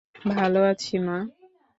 ভালো আছি, মা।